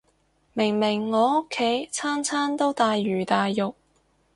明明我屋企餐餐都大魚大肉